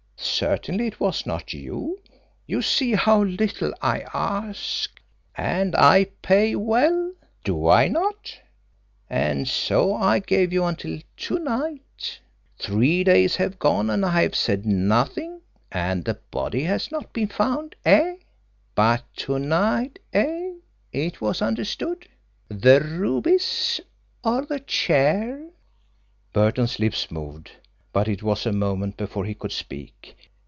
Certainly it was not you. You see how little I ask and I pay well, do I not? And so I gave you until to night. Three days have gone, and I have said nothing, and the body has not been found eh? But to night eh it was understood! The rubies or the chair." Burton's lips moved, but it was a moment before he could speak.